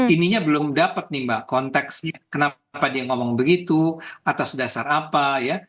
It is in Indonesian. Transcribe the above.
ininya belum dapat nih mbak konteksnya kenapa dia ngomong begitu atas dasar apa ya